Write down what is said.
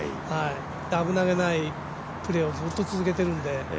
危なげないプレーをずっと続けてるんで。